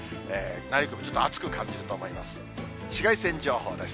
内陸部、ちょっと暑く感じると思います。